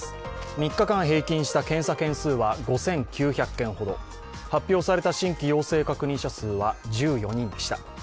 ３日間平均した検査件数は５９００件ほど、発表された新規陽性確認者数は１４人でした。